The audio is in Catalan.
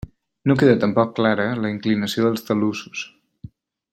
No queda tampoc clara la inclinació dels talussos.